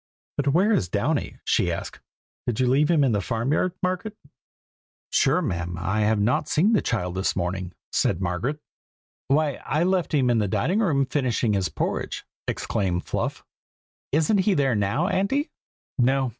"But where is Downy?" she asked; "did you leave him in the farm yard, Margaret?" "Sure, ma'am, I have not seen the child this morning!" said Margaret. "Why, I left him in the dining room, finishing his porridge!" exclaimed Fluff. "Isn't he there now, Auntie?" "No!"